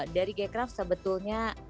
dari g craft sebetulnya